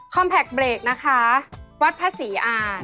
แพคเบรกนะคะวัดพระศรีอ่าน